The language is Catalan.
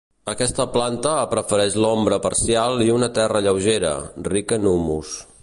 Aquesta planta prefereix l'ombra parcial i una terra lleugera, rica en humus.